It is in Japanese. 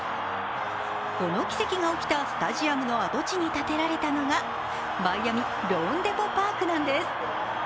この奇跡が起きたスタジアムの跡地に建てられたのがマイアミローンデポ・パークなんです。